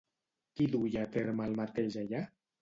Qui duia a terme el mateix allà?